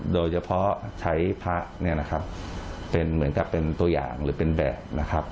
โดยเฉพาะใช้พระเนี่ยนะครับเป็นเหมือนกับเป็นตัวอย่างหรือเป็นแบบนะครับ